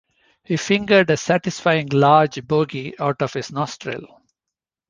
He fingered a satisfyingly large bogey out of his nostril.